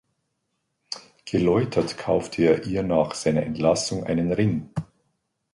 Geläutert kauft er ihr nach seiner Entlassung einen Ring.